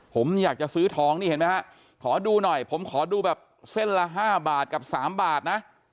ผมอยากจะซื้อทองนี่เห็นไหมฮะขอดูหน่อยผมขอดูแบบเส้นละ๕บาทกับ๓บาทนะ